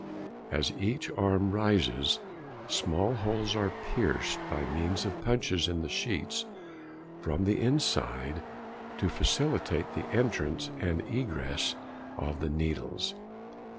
As each arm rises, small holes are pierced, by means of punches in the sheets, from the inside, to facilitate the entrance and egress of the needles.